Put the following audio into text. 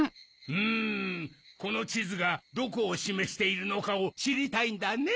・うんこのちずがどこをしめしているのかをしりたいんだね？